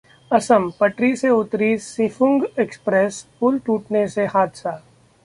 असम: पटरी से उतरी सिफुंग एक्स्प्रेस, पुल टूटने से हादसा